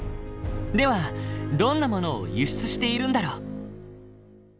ではどんなものを輸出しているんだろう？